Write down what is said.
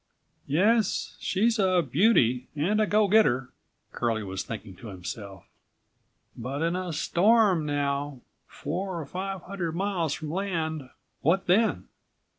"Yes, she's a beauty, and a go getter," Curlie was thinking to himself, "but in a storm, now, four or five hundred miles from land, what then?"